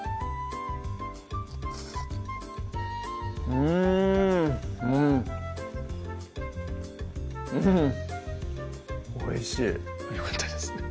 うんうんうんおいしいよかったです